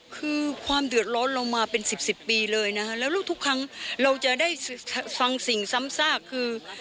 คือความเดือดร้อนเรามาเป็นสิบสิบปีเลยนะคะแล้วทุกครั้งเราจะได้ฟังสิ่งซ้ำซากคือ